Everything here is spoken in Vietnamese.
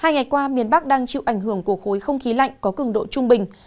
hai ngày qua miền bắc đang chịu ảnh hưởng của khối không khí lạnh có cường độ trung bình